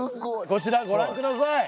こちらごらんください。